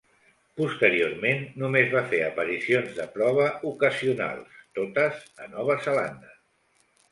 Posteriorment només va fer aparicions de prova ocasionals, totes a Nova Zelanda.